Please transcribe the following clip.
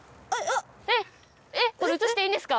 これ映していいんですか？